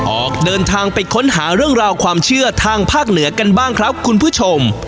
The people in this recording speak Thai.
ออกเดินทางไปค้นหาเรื่องราวความเชื่อทางภาคเหนือกันบ้างครับคุณผู้ชม